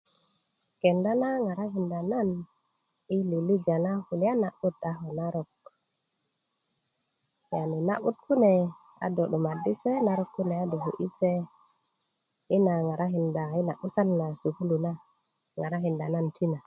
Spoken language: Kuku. kenda na ŋarakinda na yi lilija na kulya na'but a ko na kulya narok yani na'but kene a do 'dumaddi' se a narok kune a do kö'yi' se yina ŋarakinda yina 'busan na sukulu na ŋarakinda nan tina